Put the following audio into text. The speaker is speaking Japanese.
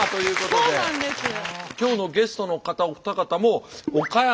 そうなんですよね。